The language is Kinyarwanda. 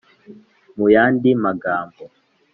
mu yandi magambo